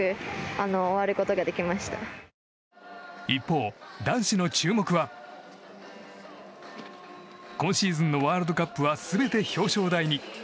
一方、男子の注目は今シーズンのワールドカップは全て表彰台に。